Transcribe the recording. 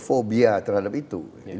fobia terhadap itu